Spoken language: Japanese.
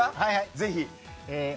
ぜひ。